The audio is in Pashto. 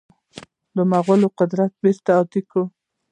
د مغولو قدرت بیرته اعاده کړي.